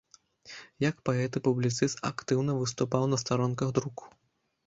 Як паэт і публіцыст актыўна выступаў на старонках друку.